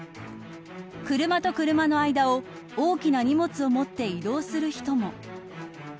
車と車の間を大きな荷物を持って移動する人も。